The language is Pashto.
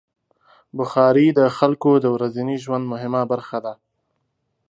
بخاري د خلکو د ورځني ژوند مهمه برخه ده.